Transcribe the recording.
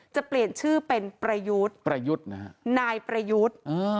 จะเปลี่ยนชื่อเป็นประยุทธ์ประยุทธ์นะฮะนายประยุทธ์